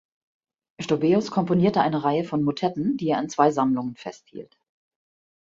Stobäus komponierte eine Reihe von Motetten, die er in zwei Sammlungen festhielt.